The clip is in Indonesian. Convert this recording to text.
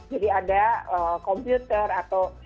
jadi ada komputer atau